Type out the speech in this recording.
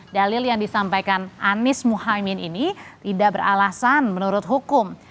dalil yang disampaikan anies mohaimin ini tidak beralasan menurut hukum